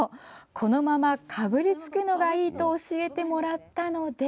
このままかぶりつくのがいいと教えてもらったので。